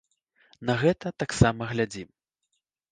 На гэта таксама глядзім.